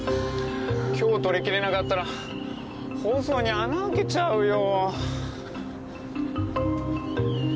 今日撮りきれなかったら放送に穴あけちゃうよ。